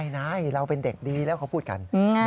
นายเราเป็นเด็กดีแล้วเขาพูดกัน